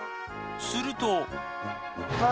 すると。